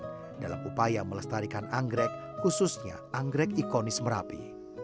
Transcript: dan mencapai dalam upaya melestarikan anggrek khususnya anggrek ikonis merapi